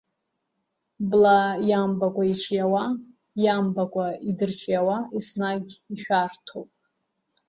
Бла иамбакәа иҿиауа иамбакәа идырҿиауа еснагь ишәарҭоуп.